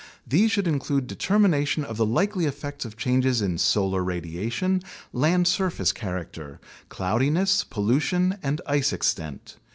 These should include determination of the likely effects of changes in solar radiation, land surface character, cloudiness, pollution, and ice extent.